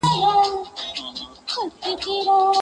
نقادان يې تحليل کوي تل,